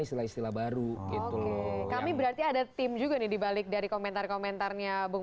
istilah istilah baru itu loh ya berarti ada tim juga nih di balik dari komentar komentarnya bung